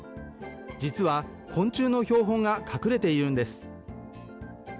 実は昆虫の標本が隠れているんです。